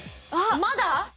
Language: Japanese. まだ？